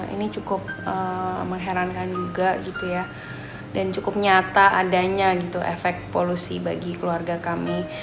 ini cukup mengerankan juga dan cukup nyata adanya efek polusi bagi keluarga kami